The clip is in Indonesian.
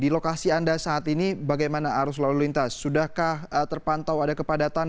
mohon maaf lahir batin juga rian